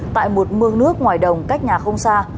tại một mương nước ngoài đồng cách nhà không xa